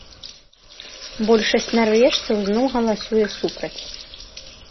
Большасць нарвежцаў зноў галасуе супраць.